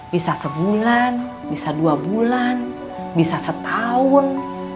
bisa sebulan bisa dua bulan bisa setahun